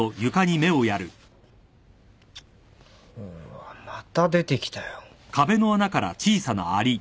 うわまた出てきたよ。